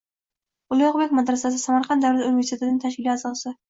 Ulugʻbek madrasasi - Samarqand Davlat universitetining tashkiliy asosi